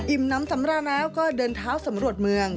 น้ำสำราญแล้วก็เดินเท้าสำรวจเมือง